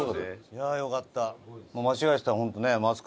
いやよかった。